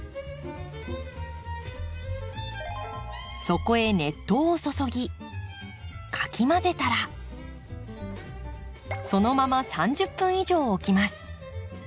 そこへ熱湯を注ぎかき混ぜたらそのまま３０分以上置きます。